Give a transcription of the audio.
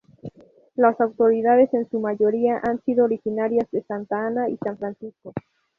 Las autoridades en su mayoría han sido originarias de Santa Ana y San Francisco.